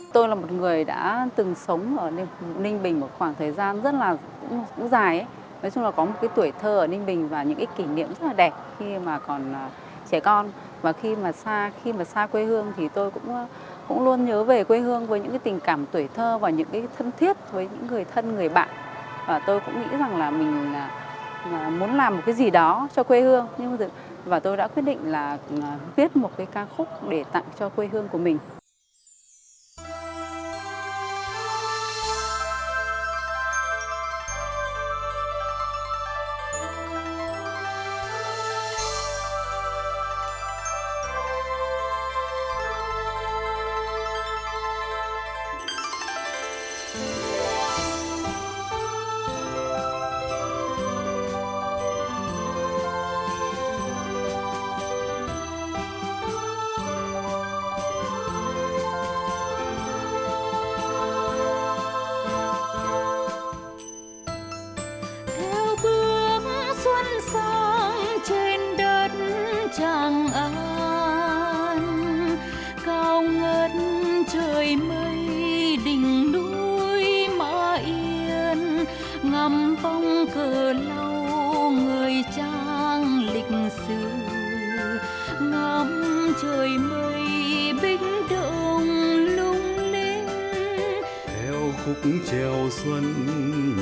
tôi là một người đã từng sống ở ninh bình một khoảng thời gian rất là dài nói chung là có một tuổi thơ ở ninh bình và những kỷ niệm rất là đẹp khi mà còn trẻ con